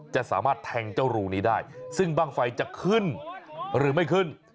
จะสามารถแทงเจ้ารูนี้ได้ซึ่งบ้างไฟจะขึ้นหรือไม่ขึ้น